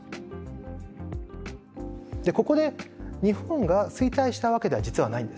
でここで日本が衰退したわけでは実はないんです。